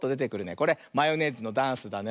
これマヨネーズのダンスだね。